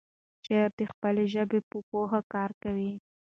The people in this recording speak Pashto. شاعر د خپلې ژبې په پوهه کار کوي.